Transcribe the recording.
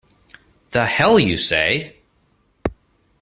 The hell you say!